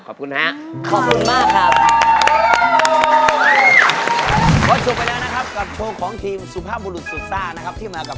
ขอบคุณมากเลยครับขอบคุณมากครับ